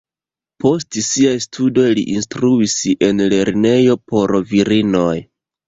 Post siaj studoj li instruis en lernejo por virinoj.